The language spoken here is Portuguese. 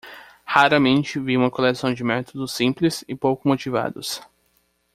Raramente vi uma coleção de métodos simples e pouco motivados.